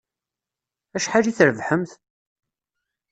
Acḥal i d-trebḥemt?